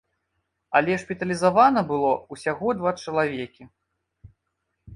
Але шпіталізавана было ўсяго два чалавекі.